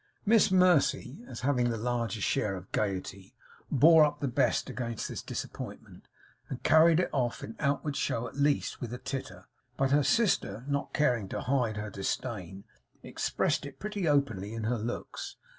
Miss Mercy, as having the larger share of gaiety, bore up the best against this disappointment, and carried it off, in outward show at least, with a titter; but her sister, not caring to hide her disdain, expressed it pretty openly in her looks.